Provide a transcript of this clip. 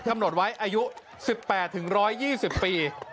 กำหนดไว้อายุ๑๘๑๒๐ปี